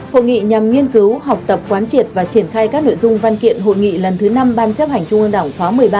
hội nghị nhằm nghiên cứu học tập quán triệt và triển khai các nội dung văn kiện hội nghị lần thứ năm ban chấp hành trung ương đảng khóa một mươi ba